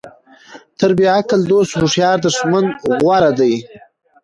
تر بیعقل دوست هوښیار دښمن غوره ده.